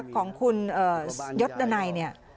ของคุณยศดันัยเนี่ย